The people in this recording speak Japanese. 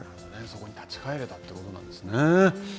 そこに立ち返れたということなんですね。